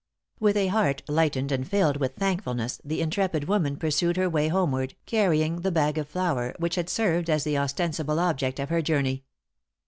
With a heart lightened and filled with thankfulness the intrepid woman pursued her way homeward, carrying the bag of flour which had served as the ostensible object of her journey!